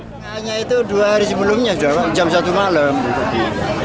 temannya itu dua hari sebelumnya jam satu malam